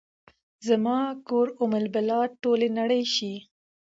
زما کور ام البلاد ، ټولې نړۍ شي